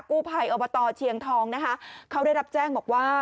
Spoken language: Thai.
กู้ภัยอบตเชียงทองนะคะเขาได้รับแจ้งบอกว่า